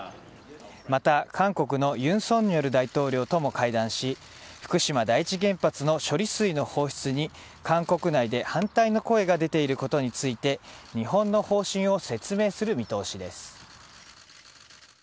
また韓国の尹錫悦大統領とも会談し福島第一原発の処理水の放出に韓国内で反対の声が出ていることについて日本の方針を説明する見通しです。